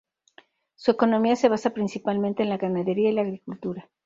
Su economía se basa principalmente en la ganadería y la agricultura.